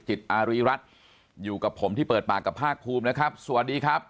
อารีรัฐอยู่กับผมที่เปิดปากกับภาคภูมินะครับสวัสดีครับ